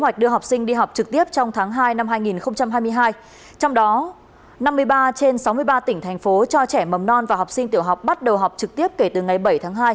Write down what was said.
thành phố cho trẻ mầm non và học sinh tiểu học bắt đầu học trực tiếp kể từ ngày bảy tháng hai